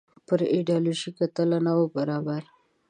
پر ایډیالوژیکه تله نه وو برابر.